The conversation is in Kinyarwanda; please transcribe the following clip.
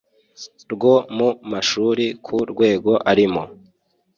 rwo mu mashuri ku rwego arimo